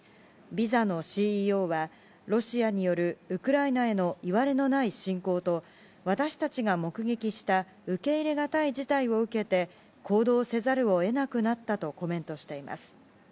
ビザのＣＥＯは、ロシアによるウクライナへのいわれのない侵攻と私たちが目撃した受け入れがたい事態を受けて行動せざるを得なくなったとコメントしています。